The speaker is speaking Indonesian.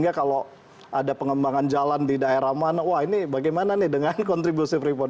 kalau ada pengembangan jalan di daerah mana wah ini bagaimana nih dengan kontribusi freeport